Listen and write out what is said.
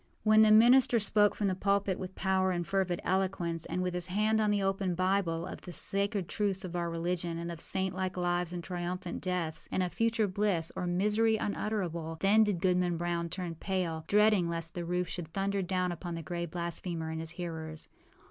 When the minister spoke from the pulpit with power and fervid eloquence, and, with his hand on the open Bible, of the sacred truths of our religion, and of saint like lives and triumphant deaths, and of future bliss or misery unutterable, then did Goodman Brown turn pale, dreading lest the roof should thunder down upon the gray blasphemer and his hearers.